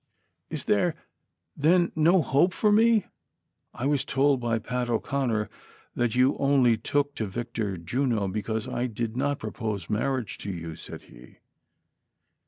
" Is there, then, no hope for me V I was told by Pat O'Conner that you only took to Victor Juno because I did not propose marriage to you," said he.